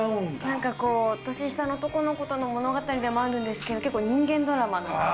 なんかこう年下の男の子との物語でもあるんですけど結構人間ドラマなので。